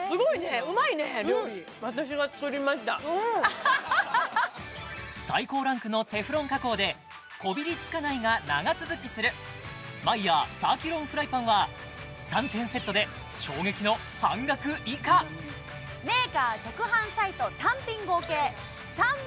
うん最高ランクのテフロン加工でこびりつかないが長続きするマイヤーサーキュロンフライパンは３点セットで衝撃の半額以下やったー！